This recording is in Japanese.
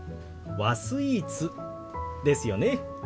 和スイーツですよね。